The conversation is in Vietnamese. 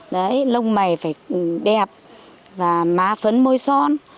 đấy lông mày phải đẹp và má phấn môi son